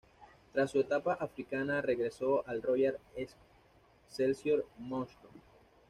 Tras su etapa africana, regresó al Royal Excelsior Mouscron.